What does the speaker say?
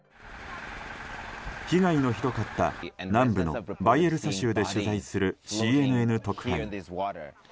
被害のひどかった南部のバイエルサ州で取材するＣＮＮ特派員。